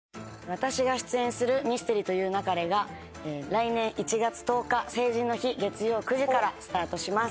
私が出演する『ミステリと言う勿れ』が来年１月１０日成人の日月曜９時からスタートします。